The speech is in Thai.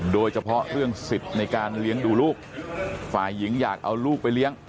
โดยเฉพาะเรื่องสิทธิ์ในการเลี้ยงดูลูกฝ่ายหญิงอยากเอาลูกไปเลี้ยง